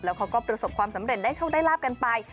เขาก็ประสบความสำเร็จได้โชคได้ลาบกันไป